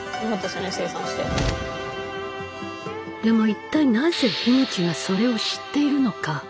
でも一体なぜ樋口がそれを知っているのか。